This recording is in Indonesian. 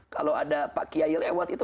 kalau ada pak kiail ewad itu